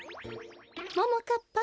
ももかっぱ。